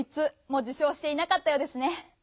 もじゅ賞していなかったようですね。